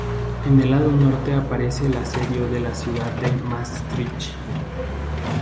En el lado norte aparece el asedio de la ciudad de Maastricht.